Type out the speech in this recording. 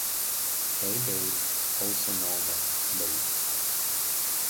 Hey Babe!, also known as Babe!